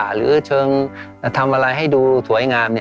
หรือเชิงทำอะไรให้ดูสวยงาม